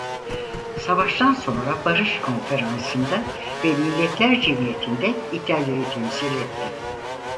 Savaştan sonra barış konferansında ve Milletler Cemiyeti'nde İtalya'yı temsil etti.